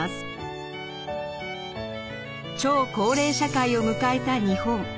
超高齢社会を迎えた日本。